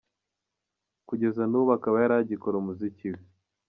Kugeza n’ubu akaba yari agikora umuziki we.